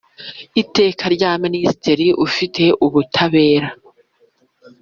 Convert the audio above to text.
Iteka rya Minisitiri ufite ubutabera